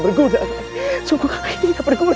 berguna sungguh kakak itu tidak berguna